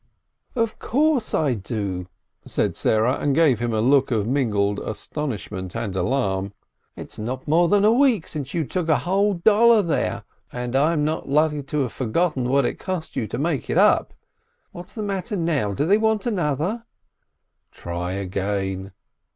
"Of course I do!" and Sarah gave him a look of mingled astonishment and alarm. "It's not more than a week since you took a whole dollar there, and I'm not likely to have forgotten what it cost you to make it up. What is the matter now ? Do they want another ?" "Try again!"